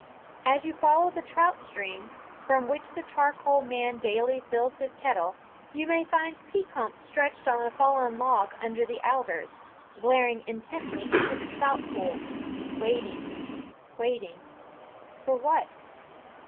As you follow the trout stream, from which the charcoal man daily fills his kettle, you may find Pekompf stretched on a fallen log under the alders, glaring intently into the trout pool, waiting, waiting for what?